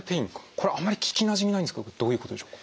これあまり聞きなじみないんですけどどういうことでしょうか？